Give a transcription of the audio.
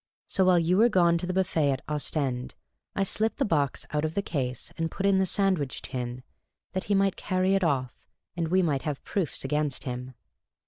So, while you were gone to the buffet at Ostend, I slipped the box out of the case, and put in the sandwich tin, that he might carry it off, and we might have proofs against him.